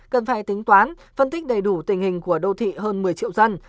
cần phải tính toán phân tích đầy đủ tình hình của đô thị hơn một mươi triệu dân